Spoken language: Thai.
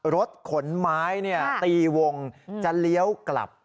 รถขนไม้ตีวงจะเลี้ยวกลับ